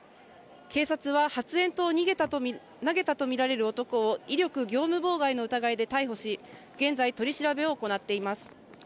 警察は発煙筒を投げたとみられる男を威力業務妨害の疑いで逮捕し、現在、取り調べを行っています。